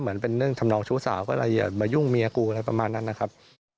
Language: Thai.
เป็นเรื่องทำนองชู้สาวก็เลยอย่ามายุ่งเมียกูอะไรประมาณนั้นนะครับ